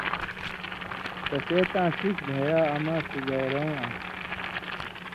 تسے تاں ݜِݜ دھیا اماں سُگائ رؤں آن٘س۔